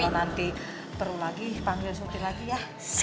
makasih kalo nanti perlu lagi panggil surti lagi ya